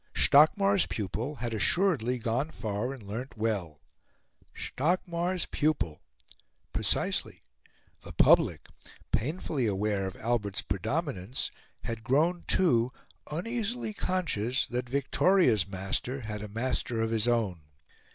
Stockmar's pupil had assuredly gone far and learnt well. Stockmar's pupil! precisely; the public, painfully aware of Albert's predominance, had grown, too, uneasily conscious that Victoria's master had a master of his own.